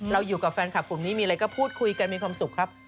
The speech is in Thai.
อยู่กับแฟนคลับกลุ่มนี้มีอะไรก็พูดคุยกันมีความสุขครับ